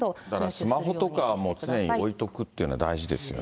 だからスマホとか常に置いておくというのは大事ですよね。